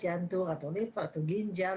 jantung atau liver atau ginjal